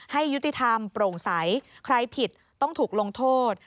ให้ยุติธรรมโปร่งใสใครผิดต้องถูกลงโทษ